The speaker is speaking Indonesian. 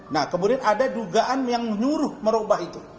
nah kemudian ada dugaan yang nyuruh merubah itu